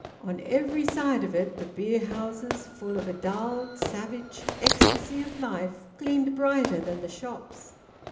On every side of it the beer houses, full of a dulled, savage ecstasy of life, gleamed brighter than the shops.